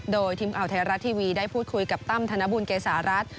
โดยทีมข่าวไทยรัฐทีวีได้พูดคุยกับตั้มธนบุญเกษารัฐ